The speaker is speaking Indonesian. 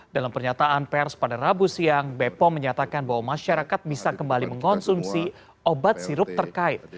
dalam pernyataan pers pada rabu siang bepom menyatakan bahwa masyarakat bisa kembali mengonsumsi obat sirup terkait